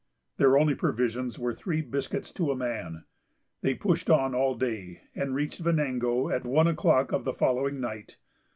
Their only provisions were three biscuits to a man. They pushed on all day, and reached Venango at one o'clock of the following night.